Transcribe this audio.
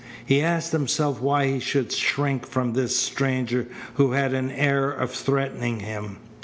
He asked himself why he should shrink from this stranger who had an air of threatening him.